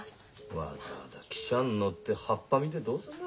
わざわざ汽車に乗って葉っぱ見てどうすんの。